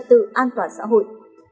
tự an toàn xã hội